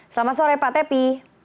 selamat sore pak tepi